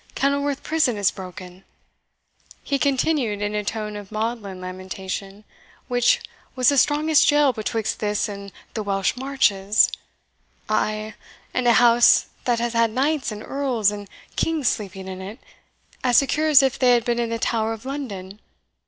Kenilworth prison is broken," he continued, in a tone of maudlin lamentation, "which was the strongest jail betwixt this and the Welsh Marches ay, and a house that has had knights, and earls, and kings sleeping in it, as secure as if they had been in the Tower of London.